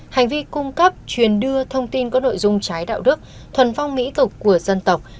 hành vi cung cấp truyền đưa thông tin có nội dung trái đạo đức thuần phong mỹ tục của dân tộc